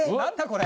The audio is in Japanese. これ。